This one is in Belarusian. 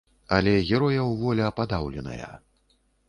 Але герояў воля падаўленая.